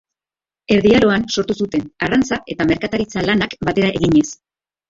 Erdi Aroan sortu zuten, arrantza eta merkataritza lanak batera eginez.